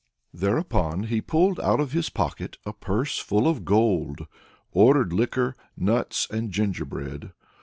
Thereupon he pulled out of his pocket a purse full of gold, ordered liquor, nuts and gingerbread.